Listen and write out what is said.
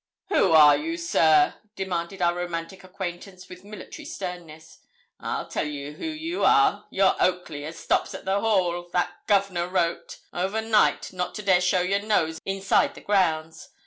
'Who are you, sir?' demanded our romantic acquaintance, with military sternness. 'I'll tell you who you are you're Oakley, as stops at the Hall, that Governor wrote, over night, not to dare show your nose inside the grounds.